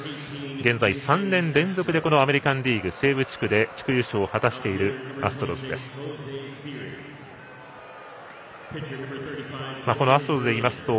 現在、３年連続でアメリカンリーグの西部地区で地区優勝を果たしているアストロズです。